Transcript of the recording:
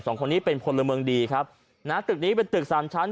สองคนนี้เป็นพลเมืองดีครับนะตึกนี้เป็นตึกสามชั้น